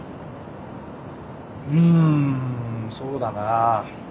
うんそうだな。